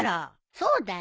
そうだよ。